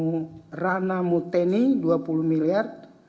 ruas ranamu teni dua puluh miliar